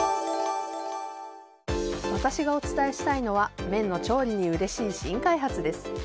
私がお伝えしたいのは麺の調理にうれしい新開発です。